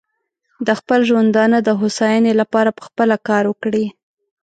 د خپل ژوندانه د هوساینې لپاره پخپله کار وکړي.